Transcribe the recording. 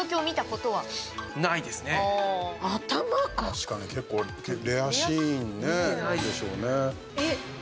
確かに結構レアシーンでしょうね。